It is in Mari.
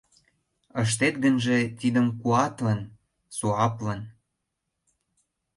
Ыштет гынже тидым куатлын, суаплын